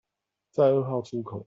在二號出口